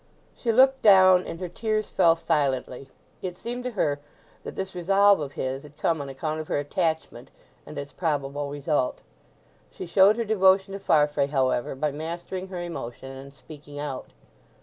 She looked down and her tears fell silently. It seemed to her that this resolve of his had come on account of her attachment and its probable result. She showed her devotion to Farfrae, however, by mastering her emotion and speaking out.